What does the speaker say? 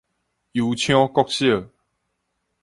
油廠國小